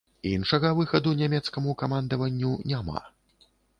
Іншага выхаду нямецкаму камандаванню няма.